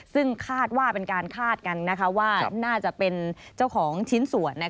ซึ่งคาดว่าเป็นการคาดกันว่าน่าจะเป็นเจ้าของชิ้นส่วน